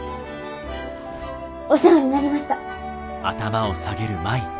お世話になりました。